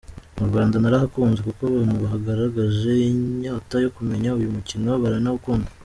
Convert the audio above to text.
Mu Rwanda narahakunze kuko abantu bagaragaje inyota yo kumenya uyu mukino baranawukunda.